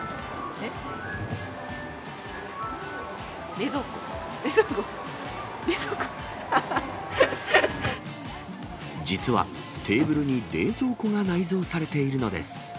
冷蔵庫、冷蔵庫、実は、テーブルに冷蔵庫が内蔵されているのです。